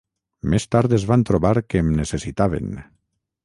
Més tard es van trobar que em necessitaven.